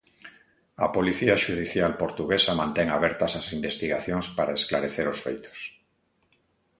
A policía xudicial portuguesa mantén abertas as investigacións para esclarecer os feitos.